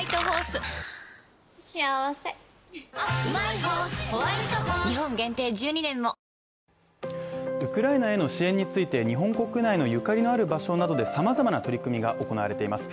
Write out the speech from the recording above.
巨人のドラフト１位ルーキー・大勢はウクライナへの支援について日本国内のゆかりのある場所などでさまざまな取り組みが行われています。